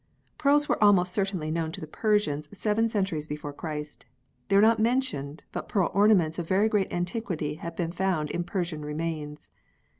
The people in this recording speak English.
Pearls were almost certainly known to the Persians seven centuries before Christ; they are not men tioned, but pearl ornaments of very great antiquity have been found in Persian remains.